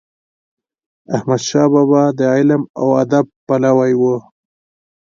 احمد شاه بابا د علم او ادب پلوی و.